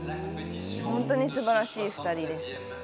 本当にすばらしい２人です。